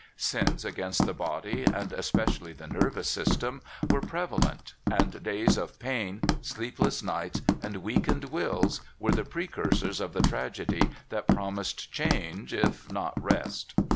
Sins against the body, and especially the nervous system, were prevalent; and days of pain, sleepless nights, and weakened wills were the precursors of the tragedy that promised change, if not rest.